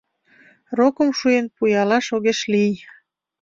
Рокым шуэн пӱялаш огеш лий.